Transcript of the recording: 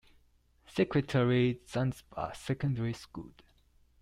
Secretary, Zanzibar Secondary School.